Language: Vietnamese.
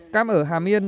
cam ở hà miên